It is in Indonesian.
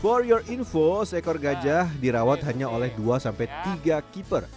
for your info seekor gajah dirawat hanya oleh dua tiga keeper